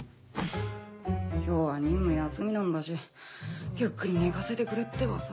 今日は任務休みなんだしゆっくり寝かせてくれってばさ。